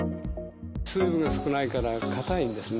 水分が少ないから硬いんですね。